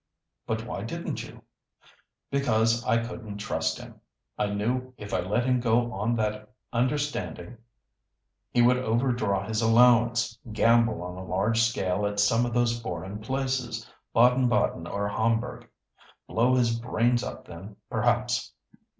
"But why didn't you?" "Because I couldn't trust him. I knew if I let him go on that understanding, he would overdraw his allowance—gamble on a large scale at some of those foreign places—Baden Baden or Homburg. Blow his brains out then, perhaps."